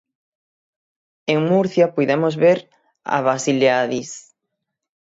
En Murcia puidemos ver a Vasileaidis.